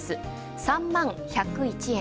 ３万１０１円。